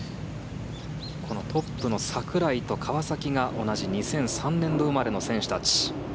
トップの櫻井と川崎が同じ２００３年度生まれの選手たち。